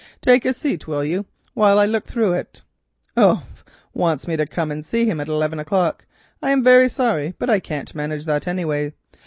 Take a seat, will you, while I look through it? Umph, wants me to come and see him at eleven o'clock. I am very sorry, but I can't manage that anyway.